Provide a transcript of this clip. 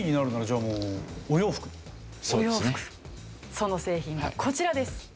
その製品がこちらです。